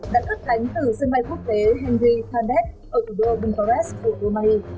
đã cất cánh từ sân bay quốc tế henry tandek ở cửa đô bunkarest của đô mai